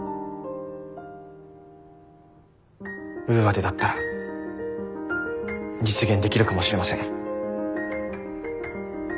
ウーアでだったら実現できるかもしれません。